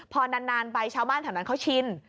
พอนานไปชาวบ้านแถวนั้นเขาชิน